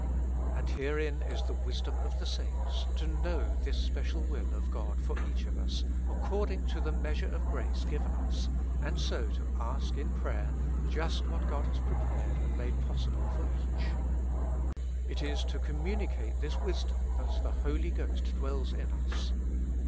And herein is the wisdom of the saints, to know this special will of God for each of us, accord 237 With Christ in the School of Prayer. ing to the measure of grace given us, and so to ask in prayer just what God has prepared and made possi ble for each. It is to communicate this wisdom that the Holy Ghost dwells in us.